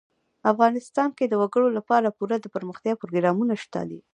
افغانستان کې د وګړي لپاره پوره دپرمختیا پروګرامونه شته دي.